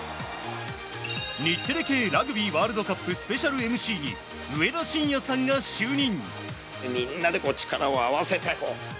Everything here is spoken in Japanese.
日テレ系ラグビーワールドカップスペシャルＭＣに上田晋也さんが就任。